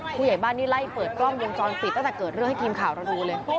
ผู้ใหญ่บ้านนี่ไล่เปิดกล้องวงจรปิดตั้งแต่เกิดเรื่องให้ทีมข่าวเราดูเลย